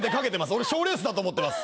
俺賞レースだと思ってます。